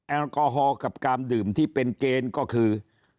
แอลกอฮอลกับการดื่มที่เป็นเกณฑ์ก็คือ